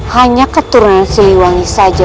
hanya keturunan siluangi saja